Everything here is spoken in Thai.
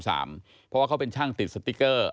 เพราะว่าเขาเป็นช่างติดสติ๊กเกอร์